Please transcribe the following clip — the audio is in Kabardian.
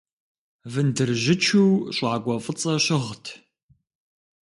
Вындыржьычу щӏакӏуэ фӏыцӏэ щыгът.